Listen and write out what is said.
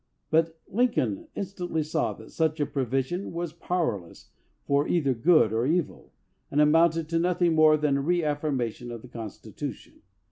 But Lincoln instantly saw that such a provision 297 LINCOLN THE LAWYER was powerless for either good or evil, and amounted to nothing more than a reaffirmation of the Constitution.